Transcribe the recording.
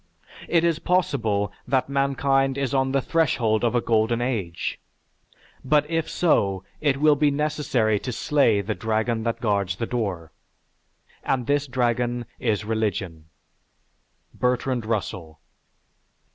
It is possible that mankind is on the threshold of a golden age, but if so, it will be necessary to slay the dragon that guards the door, and this dragon is religion." (_Bertrand Russell.